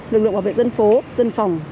lực lượng bảo vệ dân phố dân phòng